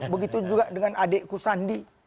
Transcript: begitu juga dengan adikku sandi